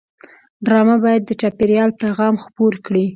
ډرامه باید د چاپېریال پیغام خپور کړي